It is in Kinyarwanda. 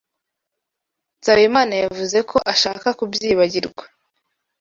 Nsabimana yavuze ko ashaka kubyibagirwa.